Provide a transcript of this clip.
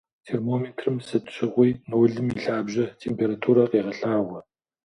Термометрым сыт щыгъуи нолым и лъабжьэ температурэ къегъэлъагъуэ.